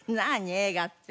映画って。